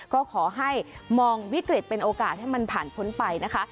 ก็ขอให้มองวิกฤตเป็นโอกาสให้มันผ่านพ้นไปนะคะ